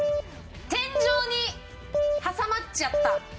天井に挟まっちゃった。